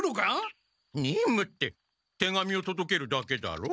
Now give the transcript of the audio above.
任務って手紙をとどけるだけだろ？